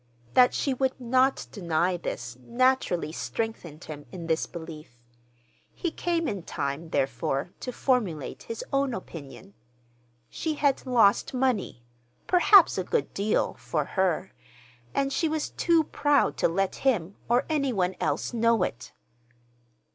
That she would not deny this naturally strengthened him in this belief. He came in time, therefore, to formulate his own opinion: she had lost money—perhaps a good deal (for her), and she was too proud to let him or any one else know it.